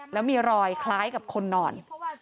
แล้วมีรอยคล้ายกับคนนอน